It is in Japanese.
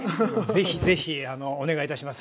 ぜひぜひお願いいたします。